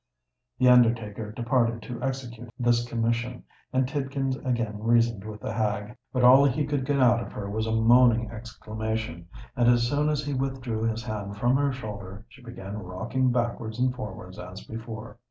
The undertaker departed to execute this commission; and Tidkins again reasoned with the hag. But all he could get out of her was a moaning exclamation; and as soon as he withdrew his hand from her shoulder, she began rocking backwards and forwards as before.